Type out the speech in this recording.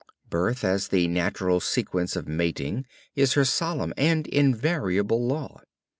Birth as the natural sequence of mating is her solemn and invariable law.